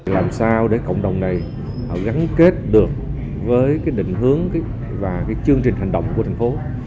làm sao để cộng đồng này gắn kết được với cái định hướng và cái chương trình hành động của thành phố